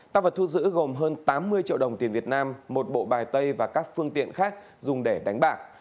tăng vật thu giữ gồm hơn tám mươi triệu đồng tiền việt nam một bộ bài tay và các phương tiện khác dùng để đánh bạc